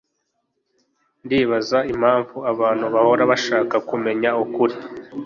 Ndibaza impamvu abantu bahora bashaka kumenya ukuri